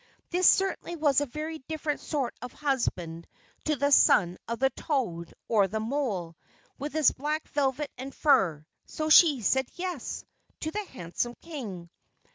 This certainly was a very different sort of husband to the son of the toad, or the mole, with his black velvet and fur; so she said "Yes," to the handsome King.